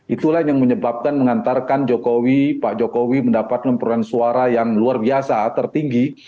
itulah yang menyebabkan mengantarkan jokowi pak jokowi mendapat lumpurkan suara yang luar biasa tertinggi